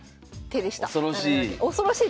恐ろしい。